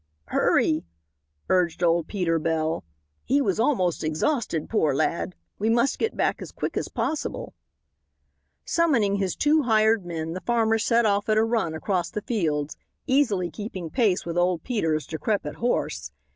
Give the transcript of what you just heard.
"Hurry," urged old Peter Bell; "he was almost exhausted, poor lad. We must get back as quick as possible." Summoning his two hired men the farmer set off at a run across the fields, easily keeping pace with old Peter's decrepit horse.